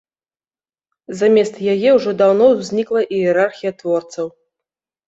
Замест яе ўжо даўно ўзнікла іерархія творцаў.